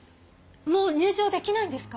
もう入場できないんですか？